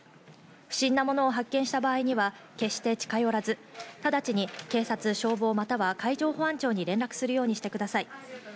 不審な物を発見した場合には決して近寄らず、直ちに警察・消防、または海上保安庁に連絡するようにしてください。